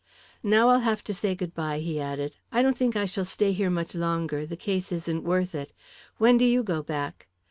"Now, I'll have to say good bye," he added. "I don't think I shall stay here much longer the case isn't worth it. When do you go back?"